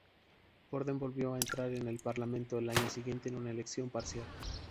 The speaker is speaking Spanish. Borden volvió a entrar en el parlamento el año siguiente en una elección parcial.